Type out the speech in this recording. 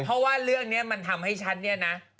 เพราะว่าเรื่องนี้มันทำให้ฉันเนี่ยนะ